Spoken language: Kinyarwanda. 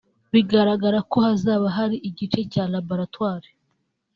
bigaragara ko hazaba hari igice cya laboratwari